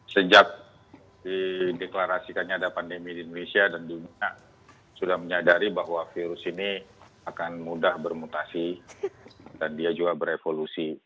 sejak dideklarasikannya ada pandemi di indonesia dan dunia sudah menyadari bahwa virus ini akan mudah bermutasi dan dia juga berevolusi